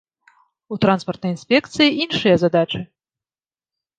У транспартнай інспекцыі іншыя задачы.